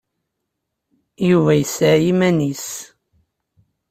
Yuba yesseɛya iman-is.